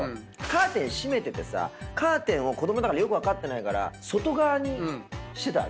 カーテン閉めててさカーテンを子供だからよく分かってなくて外側にしてた。